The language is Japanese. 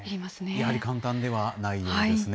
やはり簡単ではないようですね。